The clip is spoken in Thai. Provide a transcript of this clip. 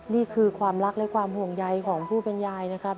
นี่คือความรักและความห่วงใยของผู้เป็นยายนะครับ